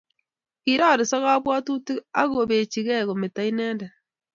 Kiroriso kabwatutik akobechikei kometo inendet